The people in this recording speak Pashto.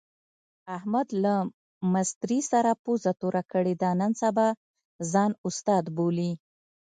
احمد له مستري سره پوزه توره کړې ده، نن سبا ځان استاد بولي.